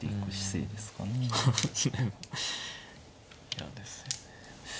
嫌ですよね。